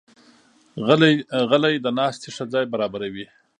غلۍ د ناستې ښه ځای برابروي.